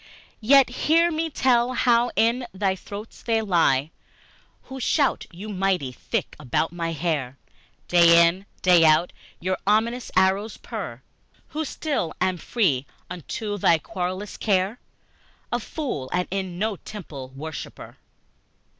Yet hear me tell how in their throats they lie Who shout you mighty: thick about my hair, Day in, day out, your ominous arrows purr, Who still am free, unto no querulous care A fool, and in no temple worshiper!